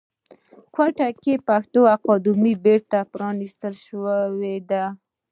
کوټې کې پښتو اکاډمۍ بیرته پرانیستل شوې ده